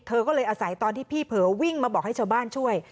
เธอก็เลยอาศัยตอนที่พี่เผลอวิ่งมาบอกให้ชาวบ้านช่วย